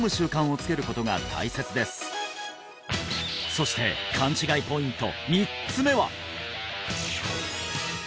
そして勘違いポイント